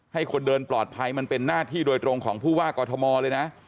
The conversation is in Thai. ให้คนเดินปลอดภัยมันเป็นหน้าที่โดยตรงของผู้ว่ากอทมเลยนะ